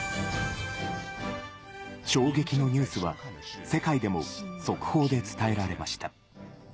衝撃のニュースは、世界でも速報で伝えられました。